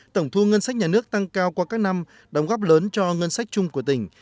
tổng thu ngân sách nhà nước tăng cao qua các năm đóng góp lớn cho ngân sách chung của tỉnh